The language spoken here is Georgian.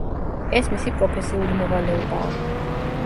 ეს მისი პროფესიული მოვალეობაა.